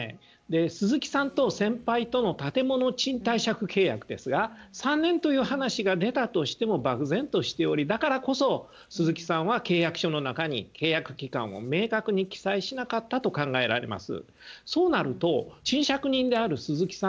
鈴木さんと先輩との建物賃貸借契約ですが３年という話が出たとしても漠然としておりだからこそ鈴木さんは契約書の中に契約期間を明確に記載しなかったと考えられます。